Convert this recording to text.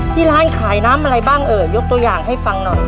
ที่ร้านขายน้ำอะไรบ้างเอ่อยกตัวอย่างให้ฟังหน่อย